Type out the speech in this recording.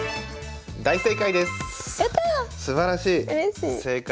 大正解です！